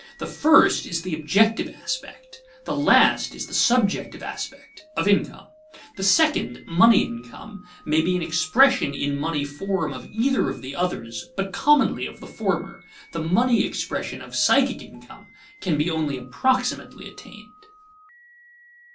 The first is the objective aspect, the last is the subjective aspect, of income; the second, money income, may be an expression, in money form, of either of the others, but commonly of the former. The money expression of psychic income can be only approximately attained.